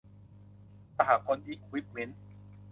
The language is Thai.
สหกลอิควิปเมนท์